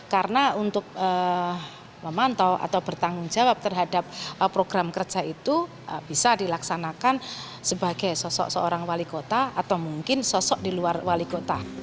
karena untuk memantau atau bertanggung jawab terhadap program kerja itu bisa dilaksanakan sebagai sosok sosok orang wali kota atau mungkin sosok di luar wali kota